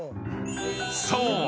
［そう。